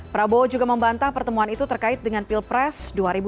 prabowo juga membantah pertemuan itu terkait dengan pilpres dua ribu dua puluh